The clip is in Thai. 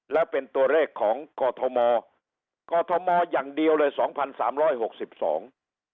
แล้วเป็นตัวเลขของกอทมกอทมอย่างเดียวเลยสองพันสามร้อยหกสิบสอง